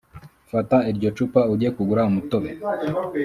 fata iryo cupa ujye kugura umutobe